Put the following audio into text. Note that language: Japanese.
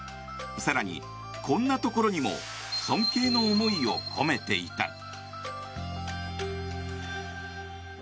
更に、こんなところにも尊敬の思いを込めていた。